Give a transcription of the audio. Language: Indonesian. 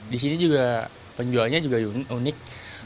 disini juga penjualnya juga unik